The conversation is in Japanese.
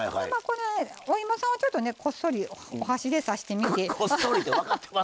お芋さんはこっそりお箸で刺してみて。